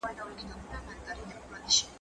زه به سبا مړۍ خورم.